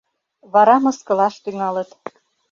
Вара мыскылаш тӱҥалыт.